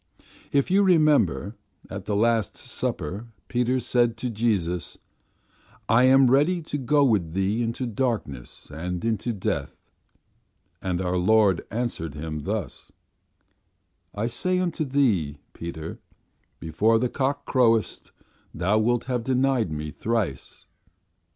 "If you remember at the Last Supper Peter said to Jesus, 'I am ready to go with Thee into darkness and unto death.' And our Lord answered him thus: 'I say unto thee, Peter, before the cock croweth thou wilt have denied Me thrice.